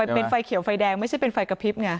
เป็นไฟเขียวไฟแดงไม่ใช่เป็นไฟกระพริบไง